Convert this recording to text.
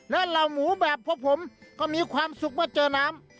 และเหล่าหมูแบบพวกผมก็มีความสุขเมื่อเจอน้ำ